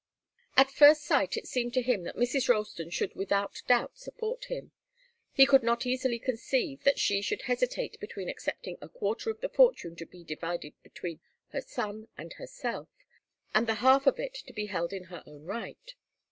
At first sight it seemed to him that Mrs. Ralston should without doubt support him. He could not easily conceive that she should hesitate between accepting a quarter of the fortune to be divided between her son and herself, and the half of it to be held in her own right.